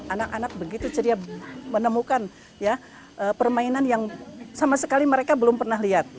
anak anak begitu ceria menemukan permainan yang sama sekali mereka belum pernah lihat